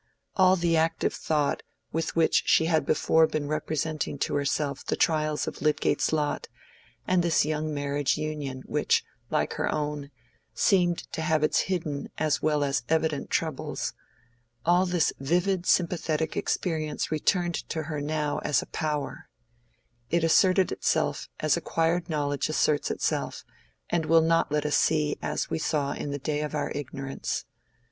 All the active thought with which she had before been representing to herself the trials of Lydgate's lot, and this young marriage union which, like her own, seemed to have its hidden as well as evident troubles—all this vivid sympathetic experience returned to her now as a power: it asserted itself as acquired knowledge asserts itself and will not let us see as we saw in the day of our ignorance.